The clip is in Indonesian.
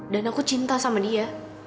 dan aku cinta sama dia